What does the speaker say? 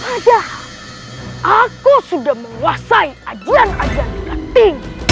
padahal aku sudah menguasai ajan ajan tinggi